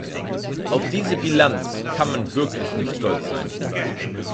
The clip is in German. Auf diese Bilanz kann man wirklich nicht stolz sein.